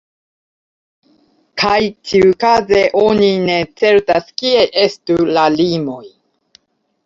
Kaj ĉiukaze oni ne certas kie estu la limoj.